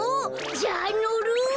じゃあのる。